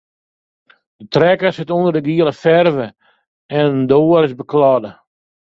In trekker sit ûnder de giele ferve en in doar is bekladde.